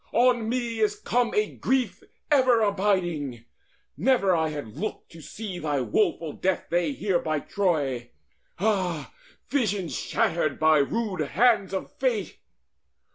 On me is come a grief Ever abiding! Never had I looked To see thy woeful death day here by Troy. Ah, visions shattered by rude hands of Fate!